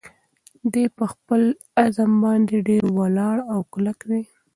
دی په خپل عزم باندې ډېر ولاړ او کلک دی.